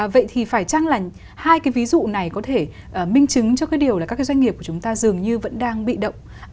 vậy thì phải chăng là hai cái ví dụ này có thể minh chứng cho cái điều là các cái doanh nghiệp của chúng ta dường như vẫn đang bị động